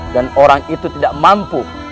dan orang itu tidak mampu